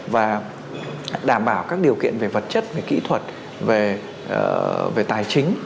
và đảm bảo các điều kiện về vật chất về kỹ thuật về tài chính